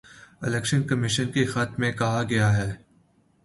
election commission کے خط میں کہا گیا ہے